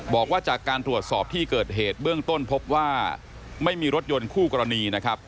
บอกว่าจากการตรวจสอบที่เกิดเหตุเบื้องต้นพบว่าไม่มีรถยนต์คู่กรณีนะครับ